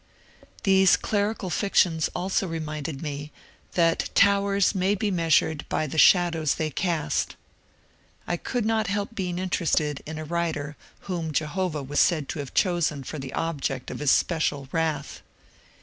These clerical fictions also reminded me that towers may be measured by the shadows they cast. I could not help being interested in a writer whom Jehovah was said to have chosen for the object of his special wrath.